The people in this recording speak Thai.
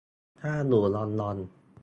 ถ้าอยู่ลอนดอน